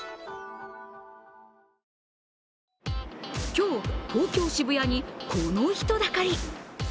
今日、東京・渋谷にこの人だかり。